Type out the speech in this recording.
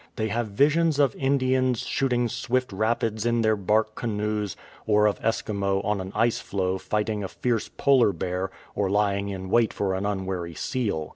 They have visions of Indians shooting swift rapids in their bark canoes, or of Eskimo on an ice floe fighting a fierce polar bear or lying in wait for an unwary seal.